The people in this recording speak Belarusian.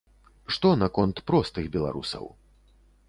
Што наконт простых беларусаў?